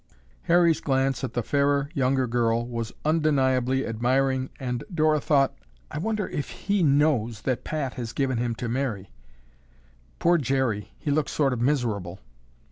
Harry's glance at the fairer, younger girl was undeniably admiring and Dora thought, "I wonder if he knows that Pat has given him to Mary. Poor Jerry, he looks sort of miserable."